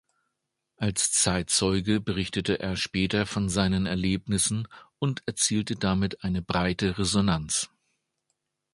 Als Zeitzeuge berichtete er später von seinen Erlebnissen und erzielte damit eine breite Resonanz.